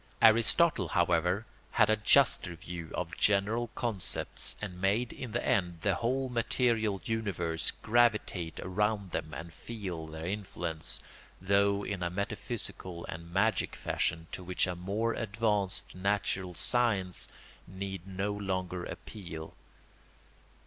Aristotle, however, had a juster view of general concepts and made in the end the whole material universe gravitate around them and feel their influence, though in a metaphysical and magic fashion to which a more advanced natural science need no longer appeal.